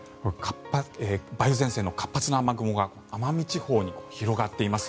梅雨前線の活発な雨雲が奄美地方に広がっています。